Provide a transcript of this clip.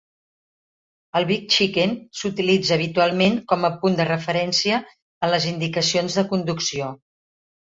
El Big Chicken s'utilitza habitualment com a punt de referència en les indicacions de conducció.